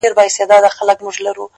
د لېونتوب اته شپيتمو دقيقو کي بند دی _